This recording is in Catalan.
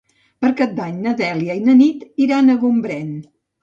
Per Cap d'Any na Dèlia i na Nit iran a Gombrèn.